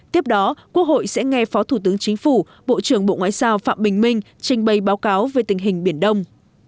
tiếp đó quốc hội sẽ nghe phó thủ tướng chính phủ bộ trưởng bộ ngoại giao phạm bình minh trình bày báo cáo về tình hình biển đông